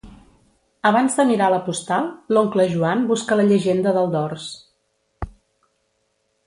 Abans de mirar la postal, l'oncle Joan busca la llegenda del dors.